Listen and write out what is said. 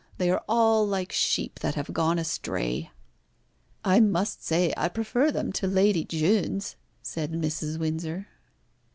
They are all like sheep that have gone astray." "I must say I prefer them to Lady Jeune's," said Mrs. Windsor.